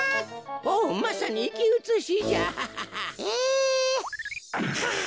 おまさにいきうつしじゃ。え！？はあ。